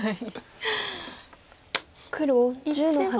黒１０の八。